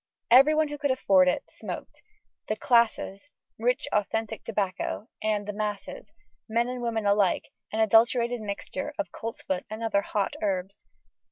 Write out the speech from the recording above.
Everyone who could afford it, smoked: the "classes," rich authentic tobacco, and the "masses," men and women alike, an adulterated mixture of coltsfoot and other "hot" herbs.